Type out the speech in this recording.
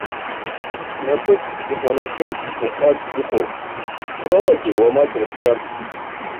Напык иҟанаҵеит уҳәартә иҟоуп, қәралагьы, уамак рыбжьам.